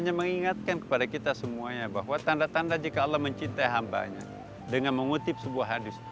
hanya mengingatkan kepada kita semuanya bahwa tanda tanda jika allah mencintai hambanya dengan mengutip sebuah hadis